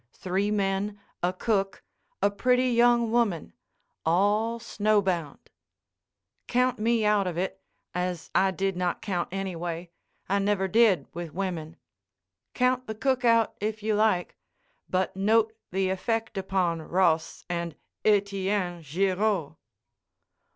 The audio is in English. Three men, a cook, a pretty young woman—all snowbound. Count me out of it, as I did not count, anyway. I never did, with women. Count the cook out, if you like. But note the effect upon Ross and Etienne Girod.